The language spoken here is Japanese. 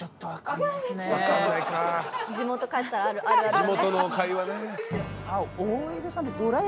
地元の会話ね。